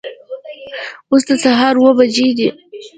اوس د سهار اوه بجې دي